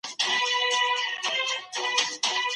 سياست يوازي د واکمنانو دنده نه ده.